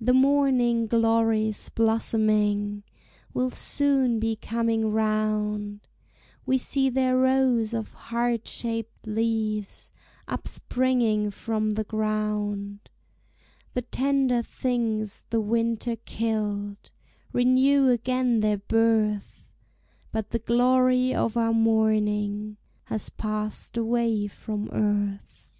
The morning glory's blossoming Will soon be coming round, We see their rows of heart shaped leaves Upspringing from the ground; The tender things the winter killed Renew again their birth, But the glory of our morning Has passed away from earth.